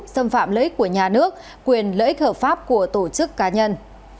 xâm phạm lợi ích của nhà nước quyền lợi ích hợp pháp của tổ chức cá nhân